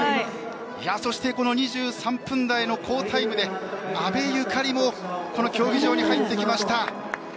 そしてこの２３分台の好タイムで阿部有香里もこの競技場に入ってきました。